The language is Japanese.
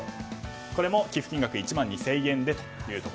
これも寄付金額１万２０００円で。